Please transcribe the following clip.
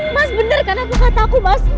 mas bener kan aku kata aku mas